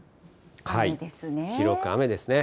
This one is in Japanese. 広く雨ですね。